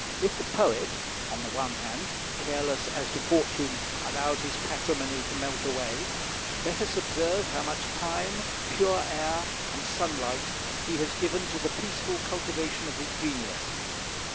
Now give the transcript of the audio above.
If the poet, on the one hand, careless as to fortune, allowed his patrimony to melt away, let us observe how much time, pure air, and sunlight he has given to the peaceful cultivation of his genius.